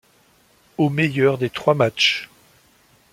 Au meilleur des trois matchs.